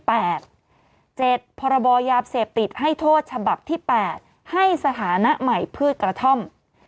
พรบยาเสพติดให้โทษฉบับที่๘ให้สถานะใหม่พืชกระท่อม